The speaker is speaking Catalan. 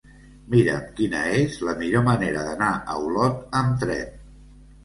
Mira'm quina és la millor manera d'anar a Olot amb tren.